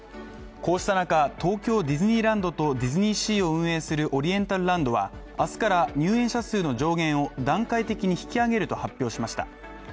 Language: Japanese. こうした中、東京ディズニーランドとディズニーシーを運営するオリエンタルランドは明日から入園者数の上限を段階的に引き上げると発表しました。